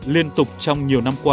liên tục trong nhiều năm qua